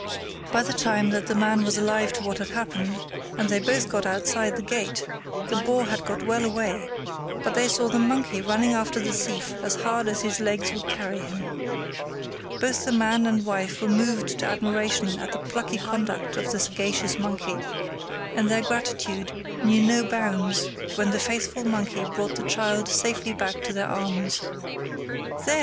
By the time that the man was alive to what had happened, and they both got outside the gate, the boar had got well away, but they saw the monkey running after the thief as hard as his legs would carry him. Both the man and wife were moved to admiration at the plucky conduct of the sagacious monkey, and their gratitude knew no bounds when the faithful monkey brought the child safely back to their arms. "There!"